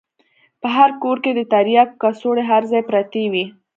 په هر کور کښې د ترياکو کڅوړې هر ځاى پرتې وې.